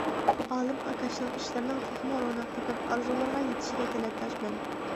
ئالىم ئاكاشنىڭ ئىشلىرىنىڭ تېخىمۇ روناق تېپىپ، ئارزۇلىرىغا يېتىشىگە تىلەكداشمەن.